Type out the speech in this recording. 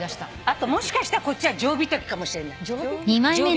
あともしかしたらこっちはジョウビタキかもしれない。